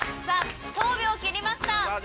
さぁ１０秒切りました。